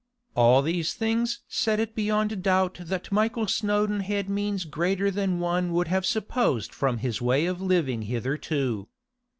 All these things set it beyond doubt that Michael Snowdon had means greater than one would have supposed from his way of living hitherto.